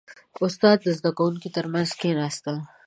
• استاد د زده کوونکو ترمنځ کښېناست.